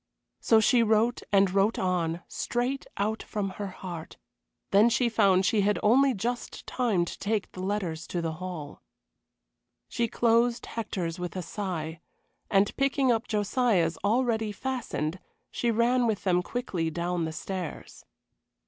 So she wrote and wrote on, straight out from her heart, then she found she had only just time to take the letters to the hall. She closed Hector's with a sigh, and picking up Josiah's, already fastened, she ran with them quickly down the stairs.